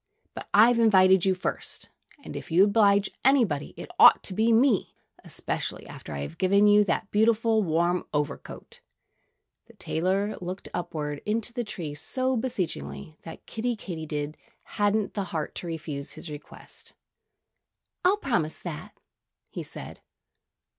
But I've invited you first, and if you oblige anybody it ought to be me especially after I've given you that beautiful warm overcoat." The tailor looked upwards into the tree so beseechingly that Kiddie Katydid hadn't the heart to refuse his request. "I'll promise that," he said.